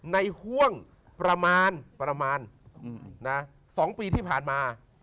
ในห่วงประมาณ๒ปีที่ผ่านมา